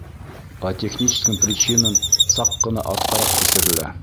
По техническим причинам саҡ ҡына артҡараҡ күсерелә.